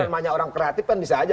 namanya orang kreatif kan bisa aja